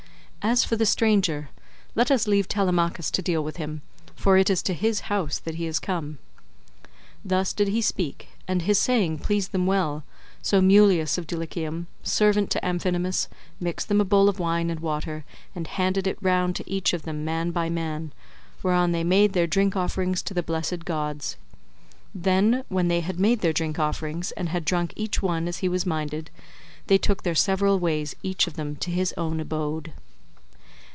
As for the stranger, let us leave Telemachus to deal with him, for it is to his house that he has come." Thus did he speak, and his saying pleased them well, so Mulius of Dulichium, servant to Amphinomus, mixed them a bowl of wine and water and handed it round to each of them man by man, whereon they made their drink offerings to the blessed gods: Then, when they had made their drink offerings and had drunk each one as he was minded, they took their several ways each of them to his own abode.